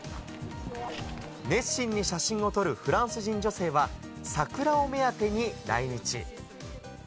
熱心に写真を撮るフランス人女性は、桜を目当てに来日。